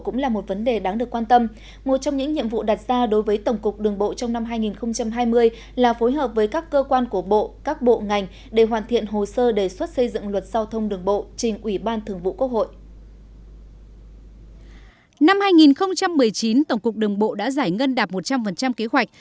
năm hai nghìn một mươi chín tổng cục đường bộ đã giải ngân đạp một trăm linh kế hoạch